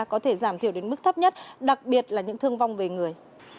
có thể giảm thiểu đến mức thấp nhất đặc biệt là những thương vong về người